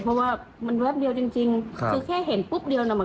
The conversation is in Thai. เพราะว่ามันแวบเดียวจริงคือแค่เห็นปุ๊บเดียวนะ